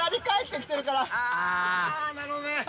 なるほどね。